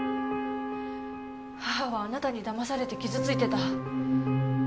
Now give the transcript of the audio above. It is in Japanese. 母はあなたに騙されて傷ついてた。